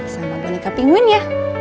sama boneka penguin ya